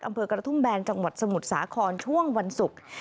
อำเภอกระทุ่มแบนจังหวัดสมุทรสาครช่วงวันศุกร์